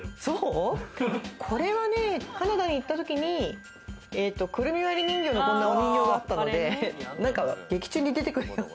これはカナダに行った時にくるみ割り人形のお人形があったので、劇中に出てくるような。